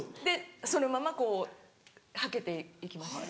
そのままこうはけていきました。